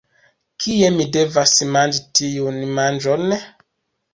Kie mi devas manĝi tiun manĝon?